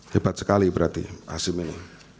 hebat sekali berarti asim ini